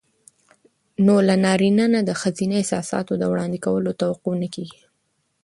نو له نارينه نه د ښځينه احساساتو د وړاندې کولو توقع نه کېږي.